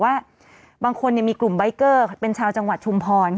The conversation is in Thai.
ว่าบางคนมีกลุ่มใบเกอร์เป็นชาวจังหวัดชุมพร